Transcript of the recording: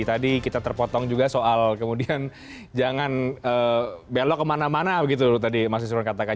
tadi kita terpotong juga soal kemudian jangan belok kemana mana begitu tadi mas iswan katakan